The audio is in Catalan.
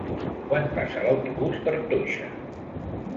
Quan passa l'autobús per Toixa?